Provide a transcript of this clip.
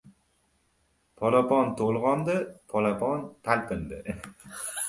Polapon to‘lg‘ondi, polapon talpindi.